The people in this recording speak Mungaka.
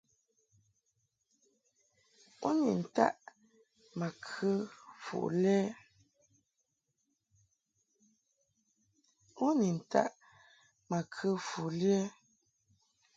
U ni taʼ ma kə fu lɛ ɛ ?